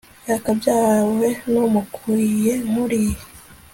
yakabyawe n'umukwiye nkuriya